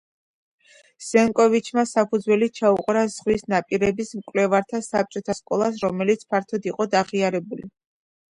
ზენკოვიჩმა საფუძველი ჩაუყარა ზღვის ნაპირების მკვლევართა საბჭოთა სკოლას, რომელიც ფართოდ იყო აღიარებული.